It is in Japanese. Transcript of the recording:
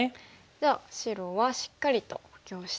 じゃあ白はしっかりと補強して。